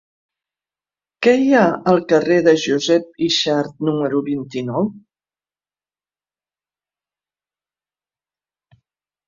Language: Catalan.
Què hi ha al carrer de Josep Yxart número vint-i-nou?